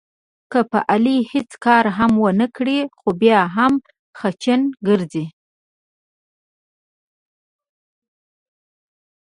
که په علي هېڅ کار هم ونه کړې، خو بیا هم خچن ګرځي.